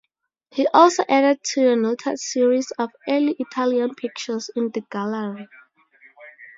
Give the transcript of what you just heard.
He also added to the noted series of Early Italian pictures in the gallery.